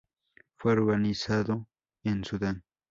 Fue organizado en Sudán.